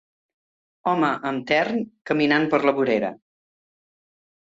Home amb tern caminant per la vorera.